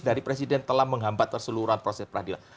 dari presiden telah menghambat keseluruhan proses peradilan